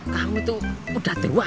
kamu tuh udah tua